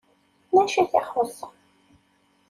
D acu i t-ixuṣṣen?